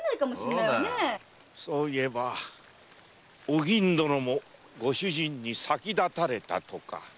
そういえばお吟殿もご主人に先立たれたとか。